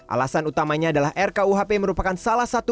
alasan utamanya adalah rkuhp merupakan salah satu